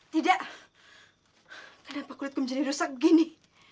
tidak kenapa kulitku menjadi rosak begini